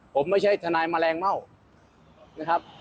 ผมไม่ใช่ทนายแมลงเม่านะครับ